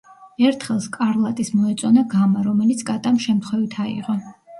ერთხელ სკარლატის მოეწონა გამა, რომელიც კატამ შემთხვევით „აიღო“.